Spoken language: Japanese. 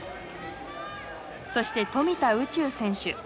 そして富田宇宙選手。